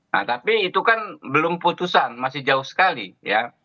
nah tapi itu kan belum putusan masih jauh sekali ya